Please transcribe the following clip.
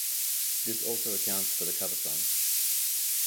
This also accounts for the cover songs.